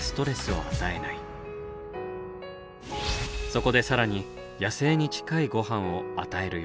そこで更に野生に近いごはんを与えるように。